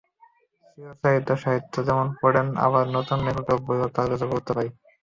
চিরায়ত সাহিত্য যেমন পড়েন, আবার নতুন লেখকের বইও তাঁর কাছে গুরুত্ব পায়।